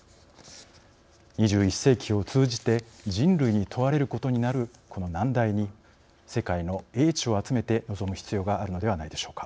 ２１世紀を通じて人類に問われることになるこの難題に世界の英知を集めて臨む必要があるのではないでしょうか。